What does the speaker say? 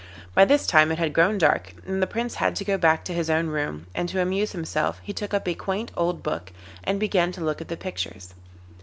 By this time it had grown dark, and the Prince had to go back to his own room, and to amuse himself he took up a quaint old book and began to look at the pictures.